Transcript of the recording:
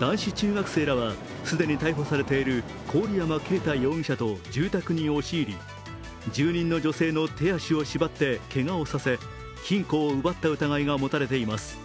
男子中学生らは既に逮捕されている郡山啓太容疑者と住宅に押し入り、住人の女性の手足を縛ってけがをさせ、金庫を奪った疑いが持たれています。